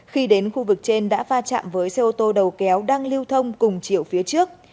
khi đến khu vực trên đã va chạm với xe ô tô đầu kéo đang lưu thông cùng chiều phía trước